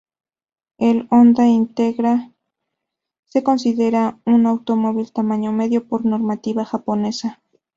El Honda Integra se considera un automóvil tamaño medio por normativa japonesa.